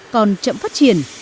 còn chậm phát triển